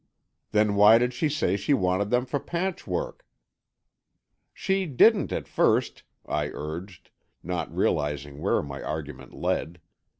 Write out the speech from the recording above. "Then why did she say she wanted them for patchwork——" "She didn't at first," I urged, not realizing where my argument led.